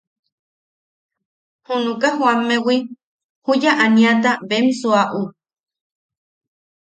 Junuka jooammewi, juya aniata bem suuaʼu.